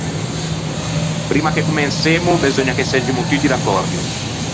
Primma che comensemmo, beseugna che seggimo tutti d’accòrdio.